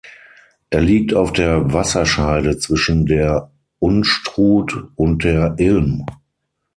Er liegt auf der Wasserscheide zwischen der Unstrut und der Ilm.